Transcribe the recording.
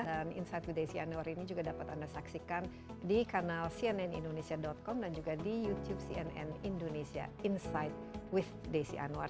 dan insight with desi anwar ini juga dapat anda saksikan di kanal cnn indonesia com dan juga di youtube cnn indonesia insight with desi anwar